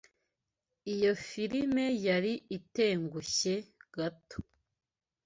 Iyo firime yari itengushye gato.